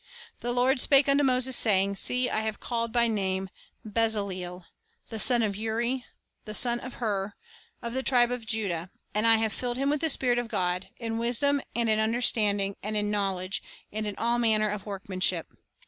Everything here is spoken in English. "The Lord spake unto Moses, saying, See, I have called by name Bezaleel, the son of Uri, the son of Hur, 1 1 Cor. 3 : 16, 17. The Ediication of Israel 37 of the tribe of Judah; and I have filled him with the Spirit of God, in wisdom, and in understanding, and in knowledge, and in all manner of workmanship.